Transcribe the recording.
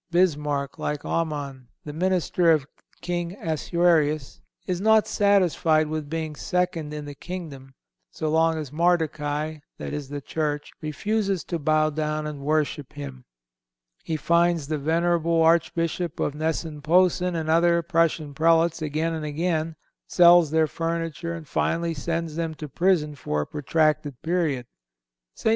Bismarck, like Aman, the minister of King Assuerus, is not satisfied with being second in the kingdom so long as Mardochai, that is the Church, refuses to bow down and worship him. He fines the venerable Archbishop of Gnesen Posen and other Prussian Prelates again and again, sells their furniture and finally sends them to prison for a protracted period. St.